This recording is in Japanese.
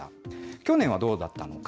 去年はどうだったのか。